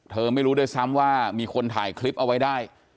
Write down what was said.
ไม่รู้ด้วยซ้ำว่ามีคนถ่ายคลิปเอาไว้ได้